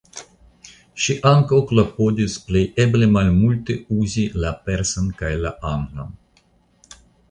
Ŝi ankaŭ klopodis plej eble malmulte uzi la persan kaj la anglan.